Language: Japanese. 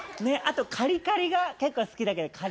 あとカリカリが結構好きだけど。